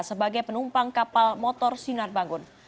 sebagai penumpang kapal motor sinar bangun